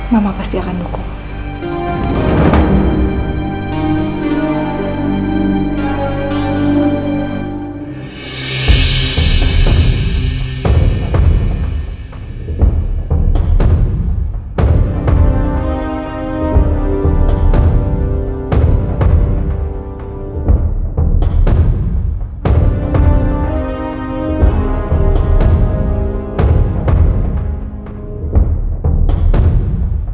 mama pasti akan dukung